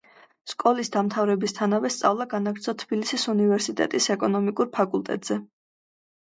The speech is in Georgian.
სკოლის დამთავრებისთანავე სწავლა განაგრძო თბილისის უნივერსიტეტის ეკონომიკურ ფაკულტეტზე.